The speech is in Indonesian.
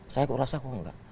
saya rasa kok enggak